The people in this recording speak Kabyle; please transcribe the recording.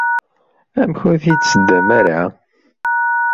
Amek ur t-id-tseddamt ara?